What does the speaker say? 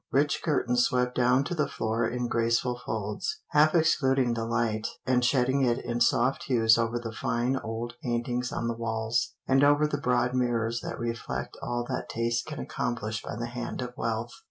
Rich curtains swept down to the floor in graceful folds, half excluding the light, and shedding it in soft hues over the fine old paintings on the walls, and over the broad mirrors that reflect all that taste can accomplish by the hand of wealth.